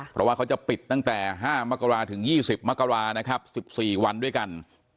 เพราะว่าเขาจะปิดตั้งแต่๕มกราถึง๒๐มกรานะครับ๑๔วันด้วยกัน